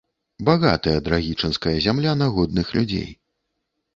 Багатая драгічынская зямля на годных людзей.